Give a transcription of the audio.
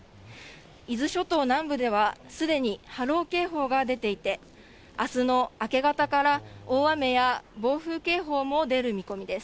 伊豆諸島南部ではすでに波浪警報が出ていて、あすの明け方から大雨や暴風警報も出る見込みです。